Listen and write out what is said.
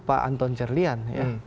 pak anton cerlian